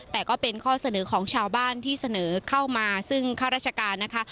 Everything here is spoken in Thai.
แต่ก็เป็นข้อเสนอของชาวบ้านที่เสนอเข้ามาซึ่งข้าราชการนะคะ